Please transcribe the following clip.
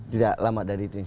tidak lama dari itu